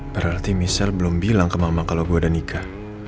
berarti michelle belum bilang ke mama kalau gue ada nika